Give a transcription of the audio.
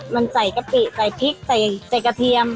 มันใส่กะปิใส่พริกใส่กระเทียม